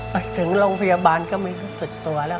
ไปถึงโรงพยาบาลก็ไม่รู้สึกตัวแล้ว